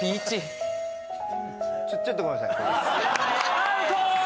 アウトー！